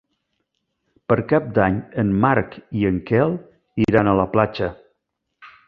Per Cap d'Any en Marc i en Quel iran a la platja.